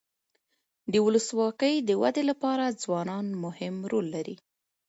د ولسواکۍ د ودي لپاره ځوانان مهم رول لري.